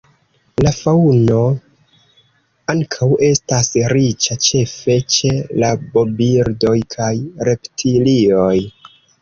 La faŭno ankaŭ estas riĉa, ĉefe ĉe rabobirdoj kaj reptilioj.